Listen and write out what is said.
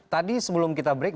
tadi sebelum kita break